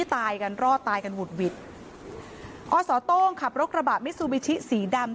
ตายกันรอตายกันหุดหวิดอตขับโรครบาปมิซูบิชิสีดำ